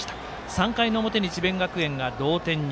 ３回の表に智弁学園が同点に。